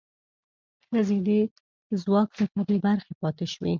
ښځې د ځواک څخه بې برخې پاتې شوې.